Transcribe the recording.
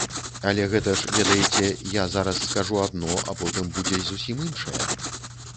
Але гэта ж, ведаеце, я зараз скажу адно, а потым будзе зусім іншае.